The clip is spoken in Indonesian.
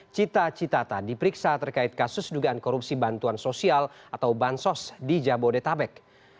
cita citata diperiksa terkait kasus dugaan korupsi bantuan sosial atau bansos di jabodetabek